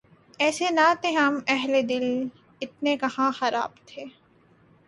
ایسے نہ تھے ہم اہلِ دل ، اتنے کہاں خراب تھے